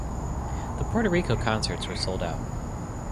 The Puerto Rico concerts were sold out.